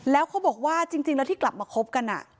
แล้วเขาบอกว่าจริงแล้วที่กลับมาคบกัน